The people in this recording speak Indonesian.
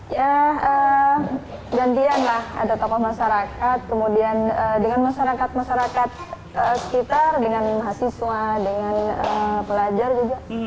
ya gantian lah ada tokoh masyarakat kemudian dengan masyarakat masyarakat sekitar dengan mahasiswa dengan pelajar juga